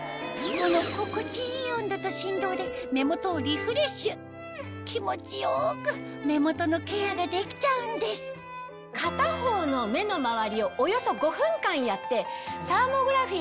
この心地いい気持ち良く目元のケアができちゃうんです片方の目の周りをおよそ５分間やって。